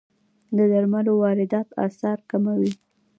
د درملو واردات اسعار کموي.